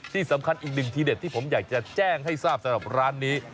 ที่สำคัญอีก๑ทีเด็ดที่ผมอยากจะแจ้งให้ทราบสำหรับร้านนี้